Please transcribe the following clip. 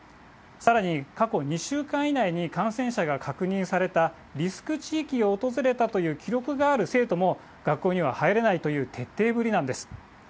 さらに、過去２週間以内に感染者が確認されたリスク地域を訪れたという記録がある生徒も、学校には入れないという徹底ぶりなんです。